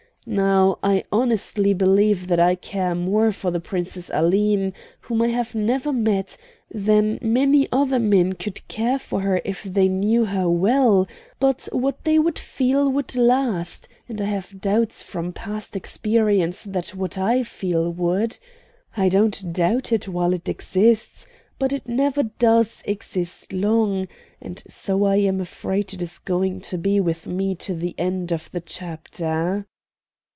Now I honestly believe that I care more for the Princess Aline, whom I have never met, than many other men could care for her if they knew her well; but what they feel would last, and I have doubts from past experience that what I feel would. I don't doubt it while it exists, but it never does exist long, and so I am afraid it is going to be with me to the end of the chapter."